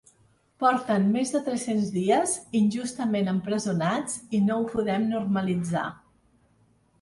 Porten més de tres-cents dies injustament empresonats i no ho podem normalitzar!